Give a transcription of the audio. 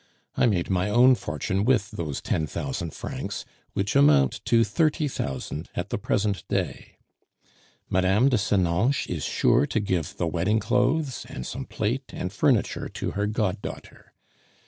I made my own fortune with those ten thousand francs, which amount to thirty thousand at the present day. Mme. de Senonches is sure to give the wedding clothes, and some plate and furniture to her goddaughter.